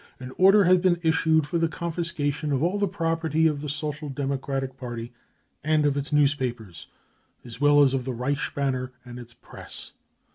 An order has been issued for the confiscation of all the property of the Social Democratic Party and of its newspapers, as well as of the Reichs banner and its Press.